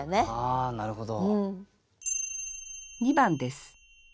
あなるほど。